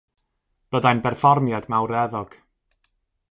Byddai'n berfformiad mawreddog.